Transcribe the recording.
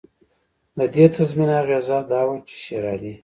د دې تضمین اغېزه دا وه چې شېرعلي.